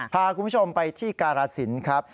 พาคุณผู้ชมไปที่การาศิลป์ครับ